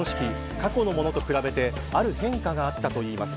過去のものと比べてある変化があったといいます。